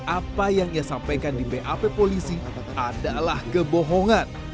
apa yang ia sampaikan di bap polisi adalah kebohongan